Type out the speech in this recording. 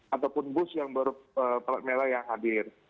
ataupun bus yang berplat merah yang hadir